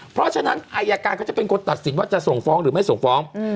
เพราะฉะนั้นอายการเขาจะเป็นคนตัดสินว่าจะส่งฟ้องหรือไม่ส่งฟ้อง